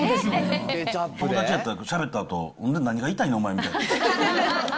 友達やったら、しゃべったあと、ほんで何が言いたいねん、お前みたいな。